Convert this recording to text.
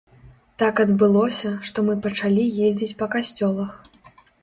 Так адбылося, што мы пачалі ездзіць па касцёлах.